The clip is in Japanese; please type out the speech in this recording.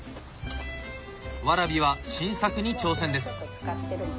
ワラビは新作に挑戦です。